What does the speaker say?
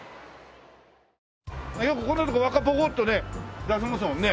よくこんなとこ輪っかポコッとね出しますもんね。